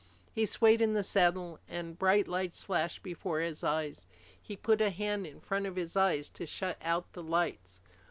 He swayed in the saddle, and bright lights flashed before his eyes. He put a hand in front of his eyes to shut out the lights.